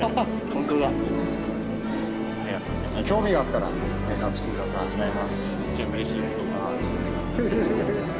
興味があったら連絡して下さい。